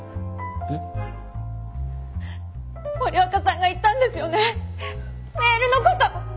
えっ？森若さんが言ったんですよねメールのこと！